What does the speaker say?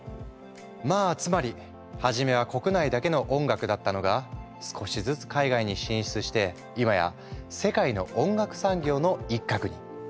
まあつまりはじめは国内だけの音楽だったのが少しずつ海外に進出して今や世界の音楽産業の一角に。